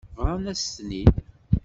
Bḍan-as-ten-id.